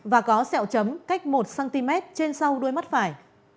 và có sẹo chấm cách một cm trên sau đuôi mắt phải